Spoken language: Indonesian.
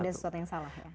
ada sesuatu yang salah ya